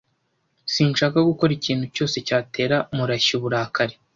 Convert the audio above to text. Sinshaka gukora ikintu cyose cyatera Murashyi uburakari.